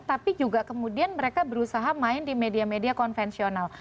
tapi juga kemudian mereka berusaha main di media media konvensional